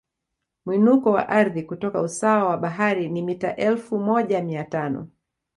Mwinuko wa ardhi kutoka usawa wa bahari ni mita elfu moja mia tano